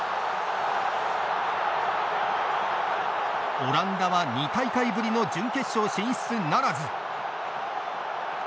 オランダは２大会ぶりの準決勝進出ならず。